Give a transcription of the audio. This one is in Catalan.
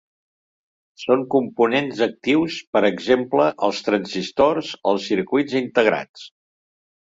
Són components actius per exemple: els transistors, els circuits integrats.